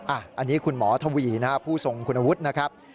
อันนี้คุณหมอทวีนะครับผู้ทรงคุณวุฒินะครับ